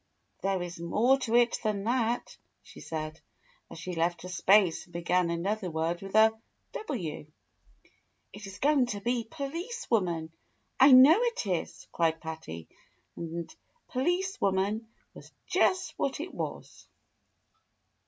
"There is more to it than that," she said, as she left a space and began another word with a W. "It is going to be 'Police Woman,' I know it is," cried Patty; and "Pohce Woman" was just what it was.